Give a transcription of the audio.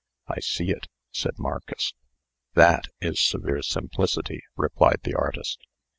"I see it," said Marcus. "That is severe simplicity," replied the artist.